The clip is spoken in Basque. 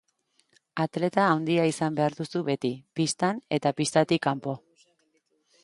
Atleta handia izan behar duzu beti, pistan eta pistatik kanpo.